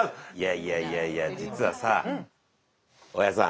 いやいやいや実はさ大家さん。